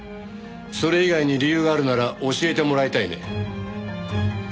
それ以外に理由があるなら教えてもらいたいね。